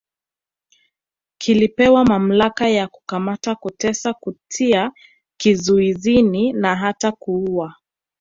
Kilipewa mamlaka ya kukamata kutesa kutia kizuizini na hata kuuwa